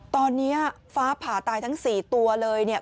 ตอนนี้ฟ้าผ่าตายทั้ง๔ตัวเลยเนี่ย